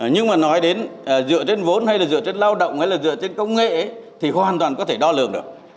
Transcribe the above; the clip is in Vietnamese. nhưng mà nói đến dựa trên vốn hay là dựa trên lao động hay là dựa trên công nghệ thì hoàn toàn có thể đo lường được